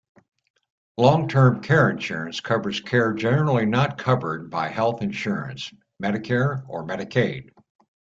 Long-term care insurance covers care generally not covered by health insurance, Medicare, or Medicaid.